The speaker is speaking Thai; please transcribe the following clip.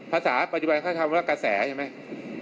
ภาษาปัจจุบันเขาทำว่ากระแสใช่ไหม